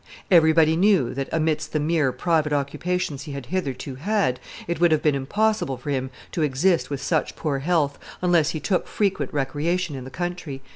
"Everybody knew that, amidst the mere private occupations he had hitherto had, it would have been impossible for him to exist with such poor health, unless he took frequent recreation in the country."